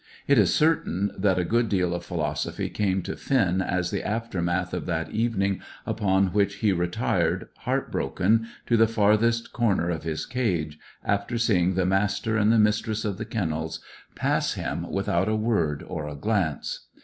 It is certain that a good deal of philosophy came to Finn as the aftermath of that evening upon which he retired, heart broken, to the farthest corner of his cage, after seeing the Master and the Mistress of the Kennels pass him without a word or a glance.